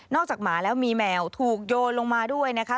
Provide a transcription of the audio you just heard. หมาแล้วมีแมวถูกโยนลงมาด้วยนะคะ